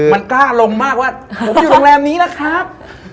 มันกล้าลงมากว่าผมอยู่โรงแรมนี้นะครับ